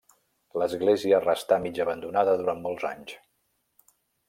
L'església restà mig abandonada durant molts anys.